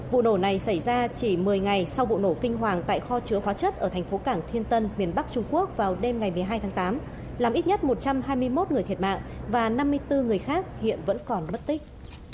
vụ nổ này xảy ra chỉ một mươi ngày sau vụ nổ kinh hoàng tại kho chứa hóa chất ở thành phố cảng thiên tân miền bắc trung quốc vào đêm ngày một mươi hai tháng tám làm ít nhất một trăm hai mươi một người thiệt mạng và năm mươi bốn người khác hiện vẫn còn mất tích